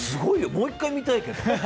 もう１回見たいけど。